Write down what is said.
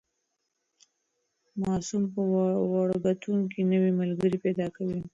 ماسوم په وړکتون کې نوي ملګري پیدا کوي.